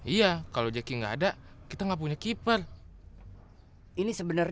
iya kalo jackie nggak ada kita nggak punya keeper